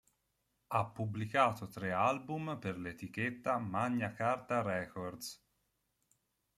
Ha pubblicato tre album per l'etichetta Magna Carta Records